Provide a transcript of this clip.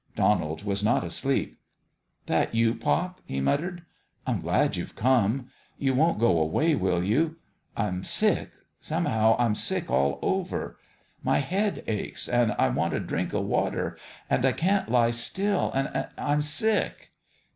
Donald was not asleep. " That you, pop ?" he muttered. " I'm so glad you've come. You won't go away, will you ? I'm sick some how, I'm just sick all over. My head aches and I want a drink of water and I can't lie still and I'm sick."